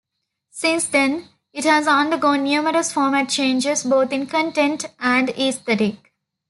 Since then, it has undergone numerous format changes, both in content and aesthetic.